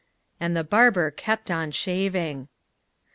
And the barber kept on shaving.